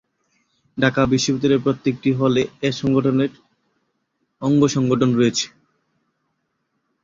ঢাকা বিশ্ববিদ্যালয়ের প্রত্যেকটি হলে এ সংগঠনের অঙ্গ সংগঠন রয়েছে।